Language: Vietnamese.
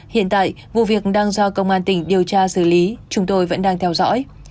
hiện tại vụ việc đang do công an tỉnh điều tra xử lý chúng tôi vẫn đang theo dõi